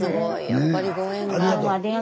やっぱりご縁が。